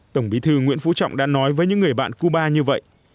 tổng bí thư nguyễn phú trọng đã nói với những người bạn cuba như vậy